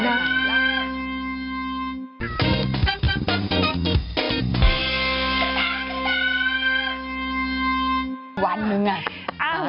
วันหนึ่งเนี่ยตากติดตายแล้ว